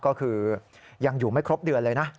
ก็คือยังอยู่ไม่ครบเดือนเลยนะ